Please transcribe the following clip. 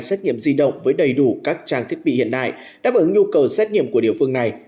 tuy nhiên số ca mắc vẫn tiếp tục gia tăng